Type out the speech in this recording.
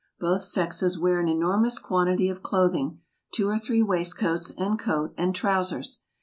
Both sexes wear an enormous quantity of clothing, two or three waistcoats, and coat, and trowsers.